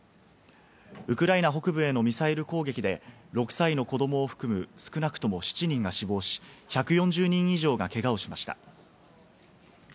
ウクライナ北部へのミサイル攻撃で６歳の子どもを含む、少なくとも７人が死亡し、１４０人以上がけがをしました。